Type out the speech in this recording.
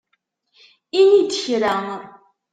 Ini-d kra!